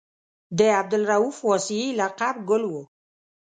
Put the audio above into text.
د عبدالرؤف واسعي لقب ګل و.